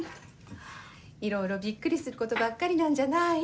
いろいろびっくりすることばっかりなんじゃない？